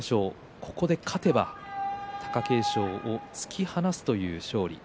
ここで勝てば貴景勝を突き放すという勝利です。